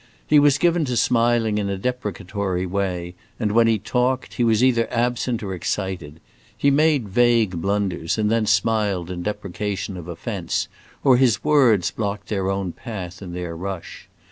He was given to smiling in a deprecatory way, and when he talked, he was either absent or excited; he made vague blunders, and then smiled in deprecation of offence, or his words blocked their own path in their rush.